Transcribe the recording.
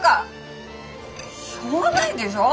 しょうがないでしょ